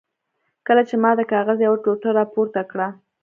کله چې ما د کاغذ یوه ټوټه را پورته کړه.